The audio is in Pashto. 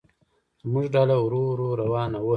زموږ ډله ورو ورو روانه وه.